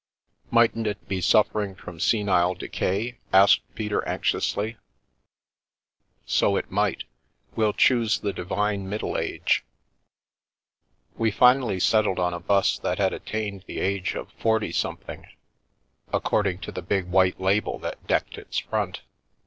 "Mightn't it be suffering from senile decay?" asked Peter anxiously. " So it might. We'll choose the divine middle age." We finally settled on a 'bus that had attained the age of forty something — according to the big white label that decked its front.